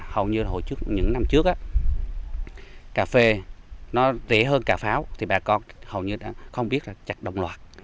hầu như những năm trước cà phê nó rẻ hơn cà pháo thì bà con hầu như đã không biết là chặt đồng loạt